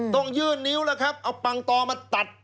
ต้องยื่นนิ้วแล้วครับเอาปังตอมาตัด